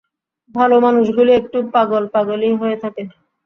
ভালো মানুষগুলি একটু পাগলপাগলই হয়ে থাকে।